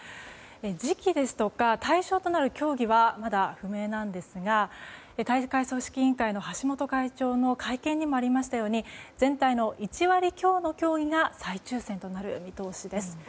時期や対象となる競技はまだ不明なんですが大会組織委員会の橋本会長の会見にもありましたように全体の１割強の競技が再抽選となる見通しです。